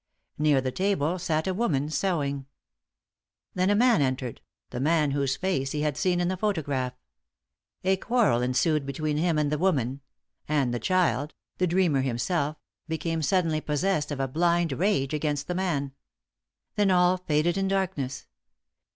Near the table sat a woman sewing. Then a man entered the man whose face he had seen in the photograph. A quarrel ensued between him and the woman; the child the dreamer himself became suddenly possessed of a blind rage against the man. Then all faded in darkness.